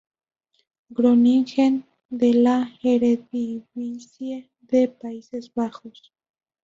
Groningen de la Eredivisie de Países Bajos.